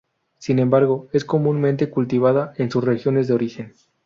Sin embargo, es comúnmente cultivada en sus regiones de origen.